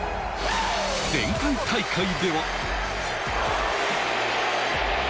前回大会では。